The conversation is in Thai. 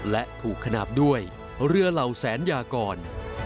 และผูกขนาดด้วยเรือเหล่าแสนยากร